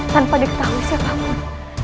tanpa diketahui siapapun